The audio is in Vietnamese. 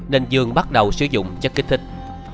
nên dương bắt đầu sử dụng chất kích thích